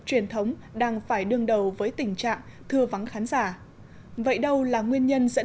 truyền thống đang phải đương đầu với tình trạng thưa vắng khán giả vậy đâu là nguyên nhân dẫn